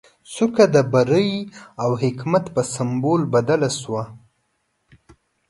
څوکه د بري او حکمت په سمبول بدله شوه.